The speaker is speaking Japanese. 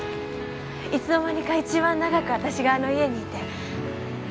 いつの間にか一番長く私があの家にいて。